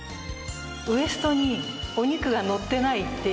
ウエストにお肉がのっていないっていう。